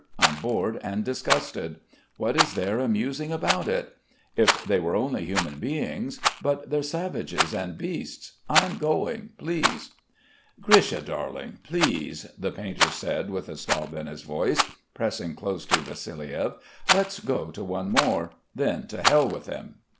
I'm bored and disgusted. What is there amusing about it? If they were only human beings; but they're savages and beasts. I'm going, please." "Grisha darling, please," the painter said with a sob in his voice, pressing close to Vassiliev, "let's go to one more then to Hell with them.